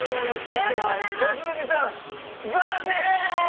そして良純さん。